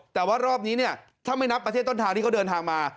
แต่ว่ารอบนี้เนี่ยถ้าไม่นับประเทศต้นทางที่เขาเดินทางมา